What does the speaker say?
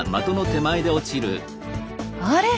あれ？